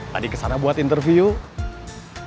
tadi kesana buat interview